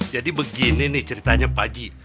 jadi begini nih ceritanya pak aji